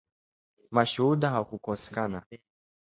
Mashuhuda hawakukosekana